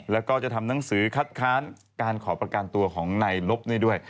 แล้วก็จะทำหนังสือคัดค้านการขอประกันตัวของนายลบนี่ด้วย